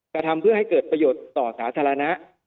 กระทำเพื่อให้เกิดประโยชน์ต่อสาธารณะ